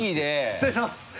失礼します！